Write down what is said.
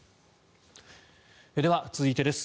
では、続いてです。